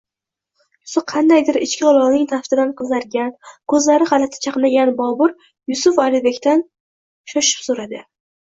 Yuzi qandaydir ichki olovning taftidan qizargan, koʻzlari gʻalati chaqnagan Bobur Yusuf Alibekdan shoshib soʻradi.